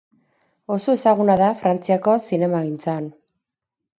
Oso ezaguna da Frantziako zinemagintzan.